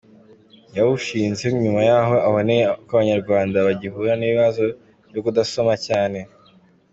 Yawushinze nyuma y’aho aboneye ko Abanyarwanda bagihura n’ibibazo byo kudasoma cyane.